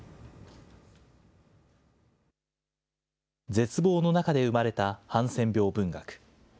絶望の中で生まれたハンセン病文学。